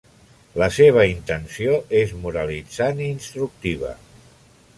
La seva intenció és moralitzant i instructiva.